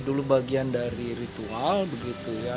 dulu bagian dari ritual begitu ya